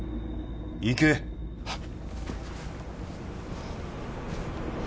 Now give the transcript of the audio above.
行けはっ